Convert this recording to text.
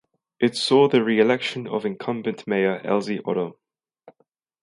It saw the reelection of incumbent mayor Elzie Odom.